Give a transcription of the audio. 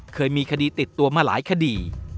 เคยมีคดีติดตัวมาหลายคดี